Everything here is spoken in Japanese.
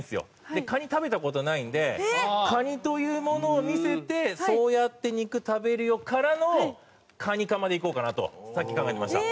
でカニ食べた事ないんでカニというものを見せてそうやって肉食べるよからのカニカマでいこうかなとさっき考えてました。